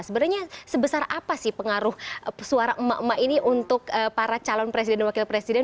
sebenarnya sebesar apa sih pengaruh suara emak emak ini untuk para calon presiden dan wakil presiden